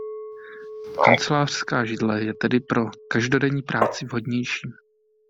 Kancelářská židle je tedy pro každodenní práci vhodnější.